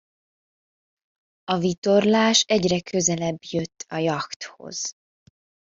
A vitorlás egyre közelebb jött a jachthoz.